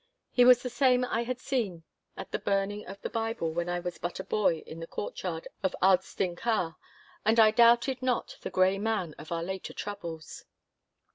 He was the same I had seen at the burning of the Bible when I was but a boy in the courtyard of Ardstinchar, and, I doubted not, the Grey Man of our later troubles.